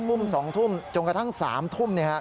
ทุ่ม๒ทุ่มจนกระทั่ง๓ทุ่ม